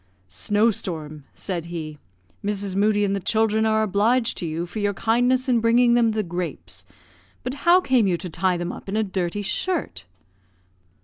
"Snow storm," said he, "Mrs. Moodie and the children are obliged to you for your kindness in bringing them the grapes; but how came you to tie them up in a dirty shirt?"